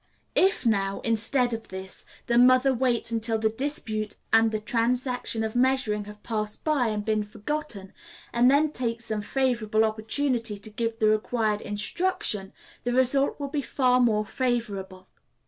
_ If now, instead of this, the mother waits until the dispute and the transaction of measuring have passed by and been forgotten, and then takes some favorable opportunity to give the required instruction, the result will be far more favorable.